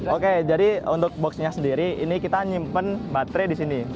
oke jadi untuk boxnya sendiri ini kita nyimpen baterai di sini